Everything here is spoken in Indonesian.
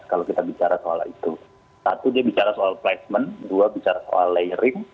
kalau kita bicara soal itu satu dia bicara soal placement dua bicara soal layering